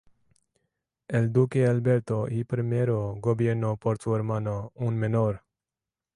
El Duque Alberto I primero gobernó por su hermano, un menor.